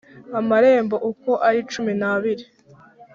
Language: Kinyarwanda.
Amarembo uko ari cumi n’abiri,